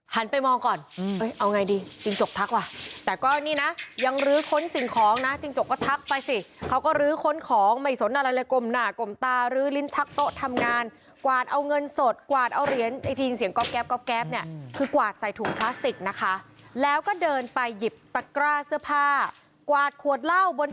ไปมองก่อนเอาไงดีจิ้งจกทักว่ะแต่ก็นี่นะยังลื้อค้นสิ่งของนะจิ้งจกก็ทักไปสิเขาก็ลื้อค้นของไม่สนอะไรเลยกลมหน้ากลมตารื้อลิ้นชักโต๊ะทำงานกวาดเอาเงินสดกวาดเอาเหรียญไอทีนเสียงก๊อบแป๊บก๊อบเนี่ยคือกวาดใส่ถุงพลาสติกนะคะแล้วก็เดินไปหยิบตะกร้าเสื้อผ้ากวาดขวดเหล้าบน